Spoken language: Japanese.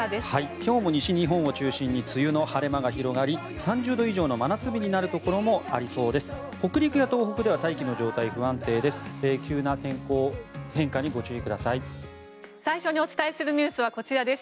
今日も西日本を中心に梅雨の晴れ間が広がり３０度以上の真夏日になるところもありそうです。